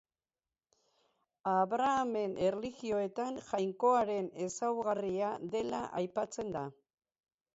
Abrahamen erlijioetan Jainkoaren ezaugarria dela aipatzen da.